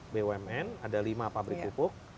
bumn ada lima pabrik pupuk